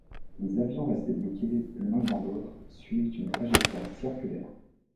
Les avions restés bloqués l'un dans l'autre suivent une trajectoire circulaire.